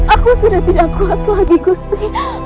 aku sudah tidak kuat lagi gusti